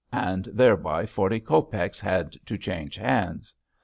and thereby forty copecks had to change hands.